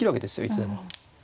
いつでも。